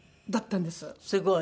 すごい！